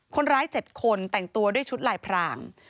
๗คนแต่งตัวด้วยชุดลายพราง